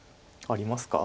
ありますか？